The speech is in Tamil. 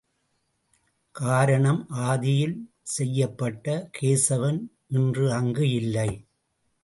காரணம் ஆதியில் செய்யப்பட்ட கேசவன் இன்று அங்கு இல்லை.